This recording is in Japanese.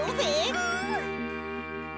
うん！